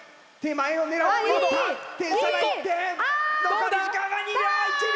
残り時間は２秒１秒！